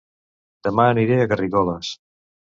Dema aniré a Garrigoles